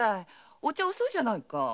お茶遅いじゃないか。